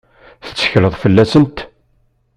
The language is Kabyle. Tettekleḍ fell-asent?